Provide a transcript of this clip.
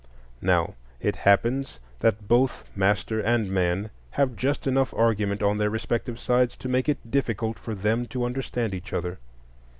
Now it happens that both master and man have just enough argument on their respective sides to make it difficult for them to understand each other.